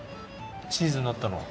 チーズになったの！